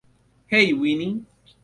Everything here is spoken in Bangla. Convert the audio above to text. হেই, উইনি।